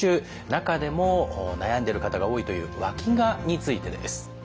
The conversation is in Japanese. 中でも悩んでる方が多いというわきがについてです。